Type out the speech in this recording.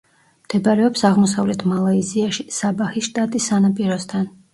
მდებარეობს აღმოსავლეთ მალაიზიაში, საბაჰის შტატის სანაპიროსთან.